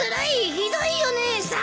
ひどいよ姉さん！